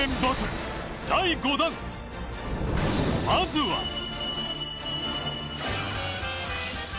まずは